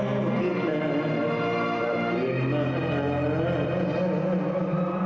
กลับขึ้นมาลุงน้ำห่างควบความจอด